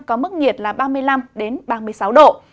có mức nhiệt là ba mươi năm ba mươi sáu độ